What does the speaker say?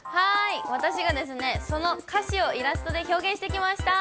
私がその歌詞をイラストで表現してきました。